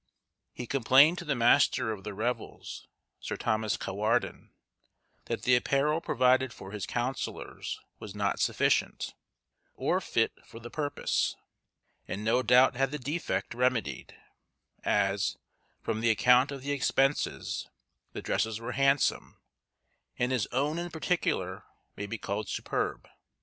He complained to the master of the revels, Sir Thomas Cawarden, that the apparel provided for his counsellors was not sufficient, or fit for the purpose, and no doubt had the defect remedied; as, from the account of the expenses, the dresses were handsome, and his own in particular may be called superb.